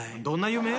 どんな夢？